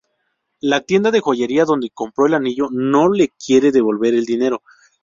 La tienda de joyería donde compró el anillo no le quiere devolver el dinero.